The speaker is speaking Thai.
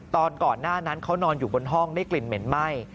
ก่อนหน้านั้นเขานอนอยู่บนห้องได้กลิ่นเหม็นไหม้